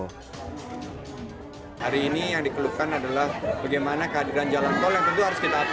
hari ini yang dikeluhkan adalah bagaimana kehadiran jalan tol yang tentu harus kita atur